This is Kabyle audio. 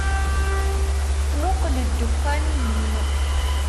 Muqel ddexan-ihin.